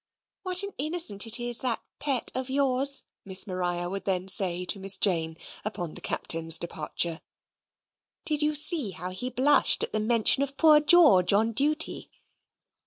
"What an innocent it is, that pet of yours," Miss Maria would then say to Miss Jane, upon the Captain's departure. "Did you see how he blushed at the mention of poor George on duty?"